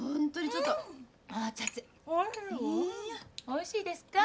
おいしいですか？